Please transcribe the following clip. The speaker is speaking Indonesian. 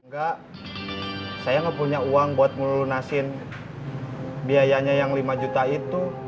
enggak saya gak punya uang buat ngelunasin biayanya yang lima juta itu